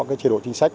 cái chế độ chính sách